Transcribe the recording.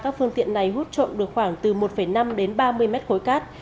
các phương tiện này hút trộm được khoảng từ một năm đến ba mươi mét khối cát